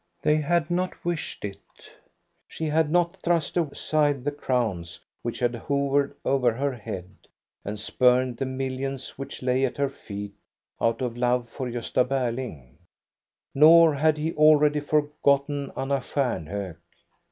They had not wished it. She bad not thrust aside the crowns which had hovered over her head, and spurned the millions which lay at her feet, out of love for Gosta Berling; nor had he already forgotten Anna Stjamhok.